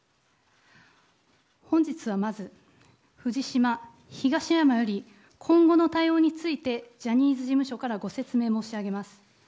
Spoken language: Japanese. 本日はまず、藤島、東山より今後の対応についてジャニーズ事務所からご説明申し上げます。